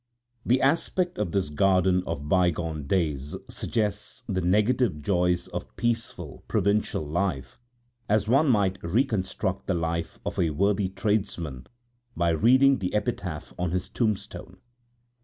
The aspect of this garden of bygone days suggests the negative joys of peaceful, provincial life, as one might reconstruct the life of a worthy tradesman by reading the epitaph on his tombstone.